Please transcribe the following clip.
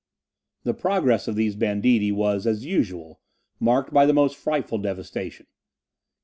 The progress of these banditti was, as usual, marked by the most frightful devastation.